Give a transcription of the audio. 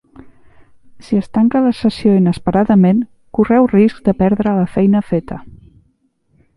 Si es tanca la sessió inesperadament correu risc de perdre la feina feta.